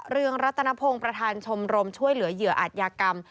เรืองรัตนพงศ์ประธานชมรมช่วยเหลือเหยื่ออาจยากรรม